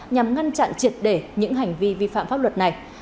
nhằm ngăn chặn triệt để những hành vi vi phạm pháp luật này